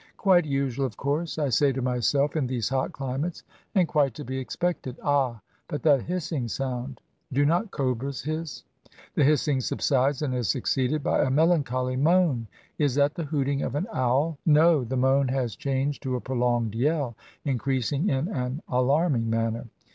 " Quite usual, of course," I say to myself, "in these hot climates, and quite to be expected !" Ah, but that hissing sound! Do not cobras hiss? The hissing subsides, and is succeeded by a melancholy moan. Is that the hooting of an owl? No! the moan has changed to a prolonged yell, increas ing in an alarming manner.